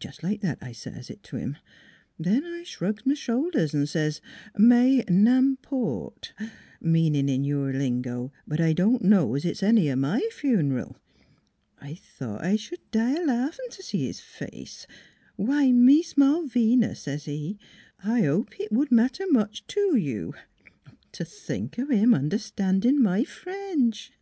Jes' like that I says t' 'im. Then I shrugs m' shoulders an' says, ' may nam port,' meanin' in your lingo :' but I don' know 's it's any o' my fun'ral.' I thought I sh'd die a laffin' t' see his face. * Why, Mees Malvina,' says he, ' I hope it would matter much to you.' ... T' think o' him understandin' my French